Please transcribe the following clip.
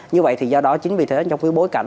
như vậy thì do đó chính vì thế trong cái bối cảnh